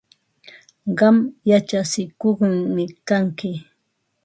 Qam yachatsikuqmi kanki.